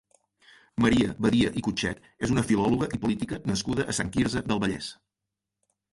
Maria Badia i Cutchet és una filòloga i política nascuda a Sant Quirze del Vallès.